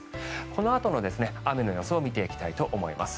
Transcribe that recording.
このあとの雨の予想を見ていきたいと思います。